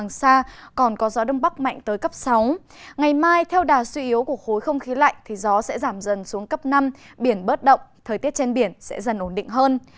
ngày mai theo đà suy yếu của khối không khí lạnh gió sẽ giảm dần xuống cấp năm biển bớt động thời tiết trên biển sẽ dần ổn định hơn